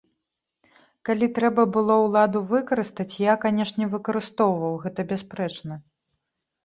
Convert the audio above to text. Калі трэба было ўладу выкарыстаць, я, канечне, выкарыстоўваў, гэта бясспрэчна.